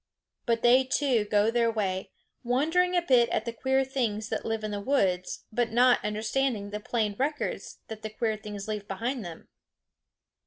But they too go their way, wondering a bit at the queer things that live in the woods, but not understanding the plain records that the queer things leave behind them.